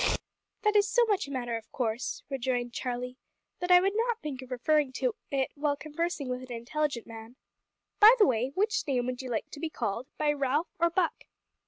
"That is so much a matter of course," rejoined Charlie, "that I would not think of referring to it while conversing with an intelligent man. By the way which name would you like to be called, by Ralph or Buck?"